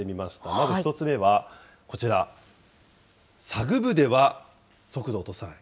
まず１つ目はこちら、サグ部では速度を落とさない。